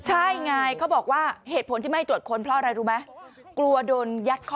ใช่ไงเขาบอกว่าเหตุผลที่ไม่ให้ตรวจค้นเพราะอะไรรู้ไหม